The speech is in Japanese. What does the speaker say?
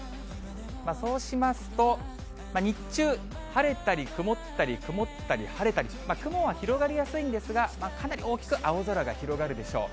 そうしますと、日中、晴れたり曇ったり、曇ったり、晴れたりと、雲は広がりやすいんですが、かなり大きく青空が広がるでしょう。